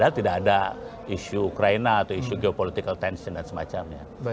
tidak ada isu ukraina atau isu geopolitical tension dan semacamnya